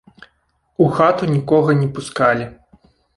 У хату нікога не пускалі.